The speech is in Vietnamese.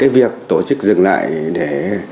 việc tổ chức dừng lại để